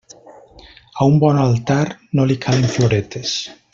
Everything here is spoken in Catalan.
A un bon altar no li calen floretes.